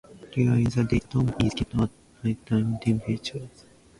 During the day, the dome is kept at night-time temperature.